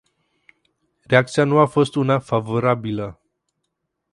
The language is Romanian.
Reacția nu a fost una favorabilă.